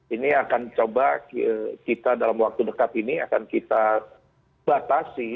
ini akan coba kita dalam waktu dekat ini akan kita batasi